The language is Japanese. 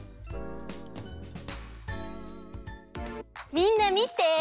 みんなみて！